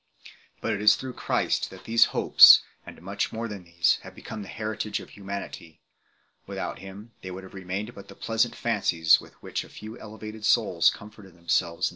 But it is through Christ that these hopes, and much more than these, have become the heritage of humanity; without Him they would have remained but the pleasant fancies with which a few elevated souls comforted themselves in the distrac 1 Tacitus, Ann.